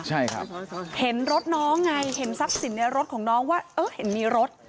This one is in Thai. ใช่ครับเห็นรถน้องไงเห็นทรัพย์สินในรถของน้องว่าเออเห็นมีรถ